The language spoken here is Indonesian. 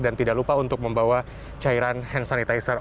dan tidak lupa untuk membawa cairan hand sanitizer